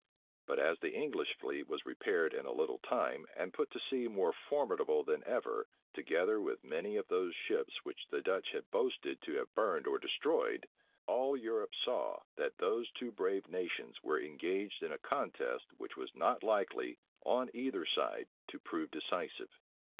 But as the English fleet was repaired in a little time, and put to sea more formidable than ever, together with many of those ships which the Dutch had boasted to have burned or destroyed, all Europe saw, that those two brave nations were engaged in a contest which was not likely, on either side, to prove decisive.